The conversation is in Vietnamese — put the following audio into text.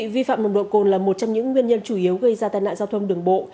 vi phạm nồng độ cồn là một trong những nguyên nhân chủ yếu gây ra tai nạn giao thông đường bộ